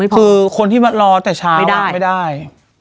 คือคนที่มารอแต่ช้าไม่ได้